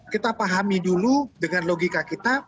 kita pahami dulu dengan logika kita